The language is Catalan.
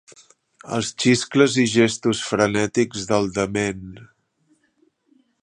Els xiscles i gestos frenètics del dement.